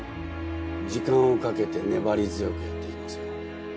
時間をかけて粘り強くやっていきますよ。